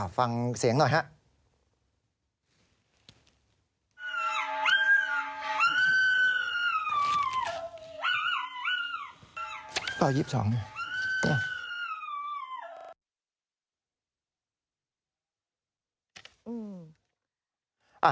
ฟังเสียงหน่อยฮะ